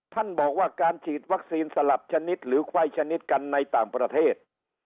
ท่านบอกว่าการฉีดวัคซีนสลับชนิดหรือไวชนิดกันในต่างประเทศ